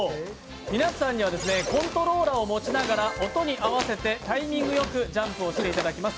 皆さんにはコントローラーを持ちながら、タイミングよくジャンプをしていただきます。